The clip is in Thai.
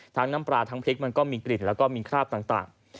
น้ำปลาทั้งพริกมันก็มีกลิ่นแล้วก็มีคราบต่าง